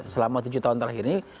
selama tujuh tahun terakhir ini